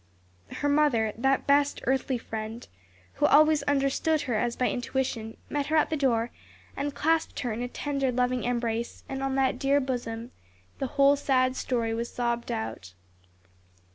Her mother, that best earthly friend, who always understood her as by intuition, met her at the door and clasped her in a tender, loving embrace; and on that dear bosom the whole sad story was sobbed out.